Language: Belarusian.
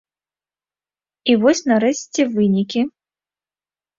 І вось, нарэшце, вынікі.